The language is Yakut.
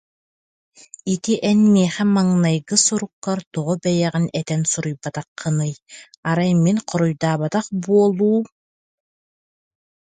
Ити эн миэхэ маҥнайгы суруккар тоҕо бэйэҕин этэн суруйбатаххыный, арай мин хоруйдаабатах буолуум